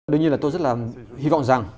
đương nhiên là tôi rất là hy vọng rằng